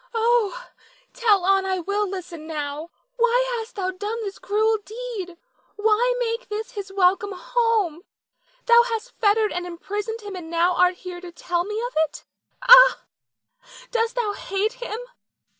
Nina. Oh, tell on. I will listen now. Why hast thou done this cruel deed? Why make this his welcome home? Thou hast fettered and imprisoned him and now art here to tell me of it? Ah, dost thou hate him?